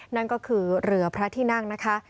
นั่นก็คือเรือพระที่นั่งนะคะ